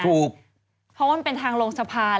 ถูกเพราะว่ามันเป็นทางลงสะพาน